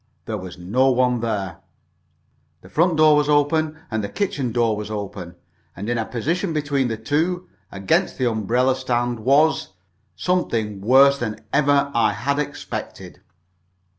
There was no one there. The front door was open, and the kitchen door was open, and in a position between the two, against the umbrella stand, was something worse than ever I had expected.